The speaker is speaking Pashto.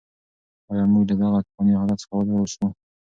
ایا موږ له دغه توپاني حالت څخه وژغورل شوو؟